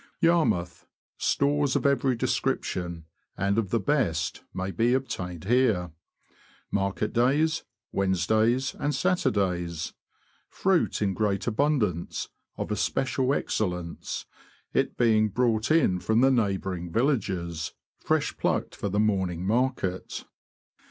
Yarmouth. — Stores of every description, and of the best, may be obtained here. Market days : Wed nesdays and Saturdays. Fruit in great abundance, of especial excellence, it being brought in from the neighbouring villages, fresh plucked for the morn ing market.